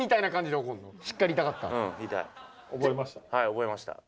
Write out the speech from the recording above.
覚えました？